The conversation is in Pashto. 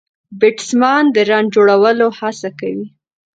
بيټسمېن د رن جوړولو هڅه کوي.